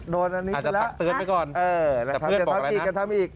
โดนอันนี้ก็แล้วเออทำอีกกันทำอีกทำอีก